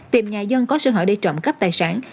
tìm nhà dân có sở hợp đi trộm cắp tài sản